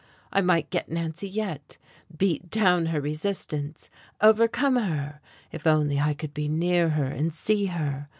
I might get Nancy yet, beat down her resistance, overcome her, if only I could be near her and see her.